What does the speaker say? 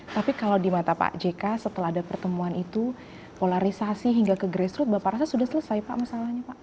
tapi kalau di mata pak jk setelah ada pertemuan itu polarisasi hingga ke grassroots bapak rasa sudah selesai pak masalahnya pak